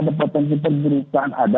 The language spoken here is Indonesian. berita buruk itu